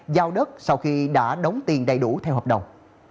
giao đất sau khi đã đóng tiền đầy đủ theo hợp đồng